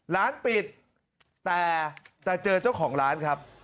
ร้านปิดแต่เจอเจ้าของร้านครับ